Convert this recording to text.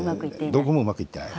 どこもうまくいっていない。